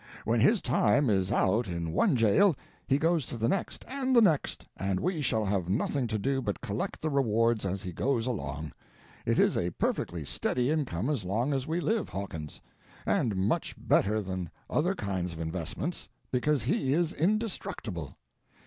When his time is out in one jail he goes to the next and the next, and we shall have nothing to do but collect the rewards as he goes along. It is a perfectly steady income as long as we live, Hawkins. And much better than other kinds of investments, because he is indestructible."